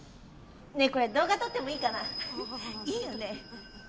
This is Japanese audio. ねえこれ動画撮ってもいいかないいよね？